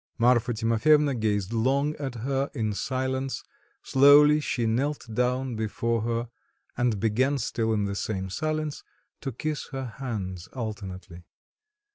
Marfa Timofyevna gazed long at her in silence, slowly she knelt down before her and began still in the same silence to kiss her hands alternately.